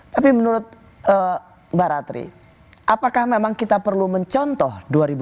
tapi menurut mbak ratri apakah memang kita perlu mencontoh dua ribu dua puluh